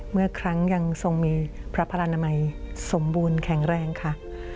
เมื่อครั้งยังทรงมีพระพระนามัยสมบูรณ์แข็งแรงค่ะ